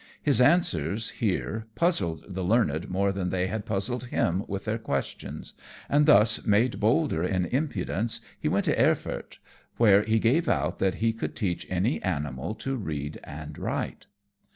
His answers, here, puzzled the learned more than they had puzzled him with their questions; and thus made bolder in impudence, he went to Erfurt, where he gave out that he could teach any animal to read and write.